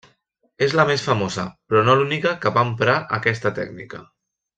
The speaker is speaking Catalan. És la més famosa, però no l'única que va emprar aquesta tècnica.